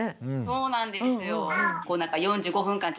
そうなんですよ。